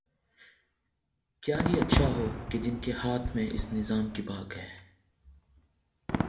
کیا ہی اچھا ہو کہ جن کے ہاتھ میں اس نظام کی باگ ہے۔